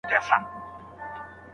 څېړونکي به خپلي تجربې پای ته رسولې وي.